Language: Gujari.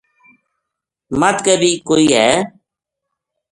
مَدھ کے بی کوئی ہے